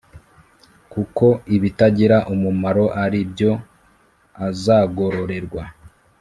kuko ibitagira umumaro ari byo azagororerwa